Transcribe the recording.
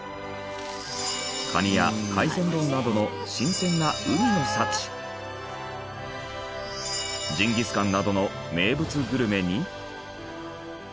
カニや海鮮丼などの新鮮な海の幸ジンギスカンなどの名物グルメに。